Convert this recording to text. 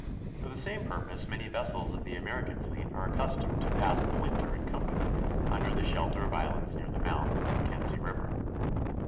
For the same purpose many vessels of the American fleet are accustomed to pass the winter in company under the shelter of islands near the mouth of the Mackenzie River.